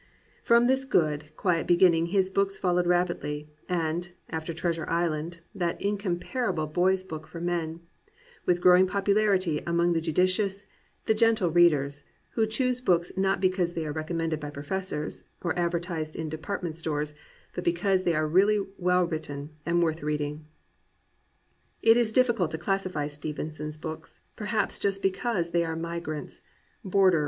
From this good, quiet beginning his books fol lowed rapidly, and (after Treasure Island, that in comparable boys' book for men,) with growing popu larity among the judicious, the "gentle readers," who choose books not because they are recommended by professors or advertised in department stores, but because they are really well written and worth reading. It is diflBcult to classify Stevenson's books, per haps just because they are migrants, borderers.